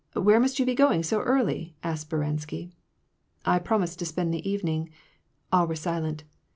" Where must you be going so early ?" asked Speransky. "I promised to spend the evening" — All were silent.